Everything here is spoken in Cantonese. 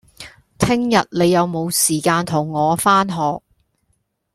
聽日你有無時間同我返學